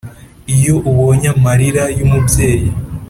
Iyo ubonye amalira y'umubyeyi